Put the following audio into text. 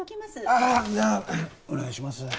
ああっではお願いします